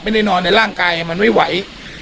ในเวลานานหลายวันติดต่อกันโดยที่ไม่ได้หลับ